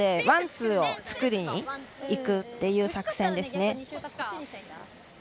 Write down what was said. ワン、ツーを作りにいくという作戦ですね。